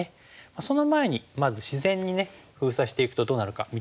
その前にまず自然に封鎖していくとどうなるか見ていきましょう。